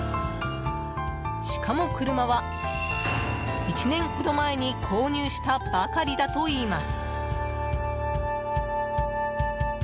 しかも、車は１年ほど前に購入したばかりだといいます。